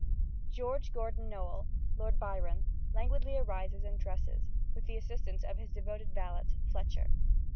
George Gordon Noel, Lord Byron, languidly arises and dresses, with the assistance of his devoted valet Fletcher.